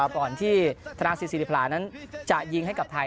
ก่อนที่ธนาศิษศิริพรานั้นจะยิงให้กับไทย